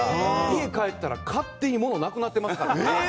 家帰ったら勝手に物なくなってますから。